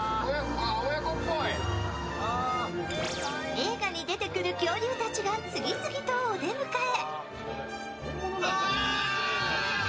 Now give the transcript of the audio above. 映画に出てくる恐竜たちが次々とお出迎え。